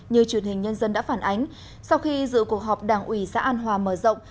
như truyền hình nhân dân đã phản ánh sau khi dự cuộc họp đảng ủy xã an hòa mở rộng